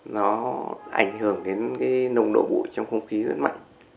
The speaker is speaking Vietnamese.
nó ảnh hưởng đến cái nồng độ bụi trong không khí rất mạnh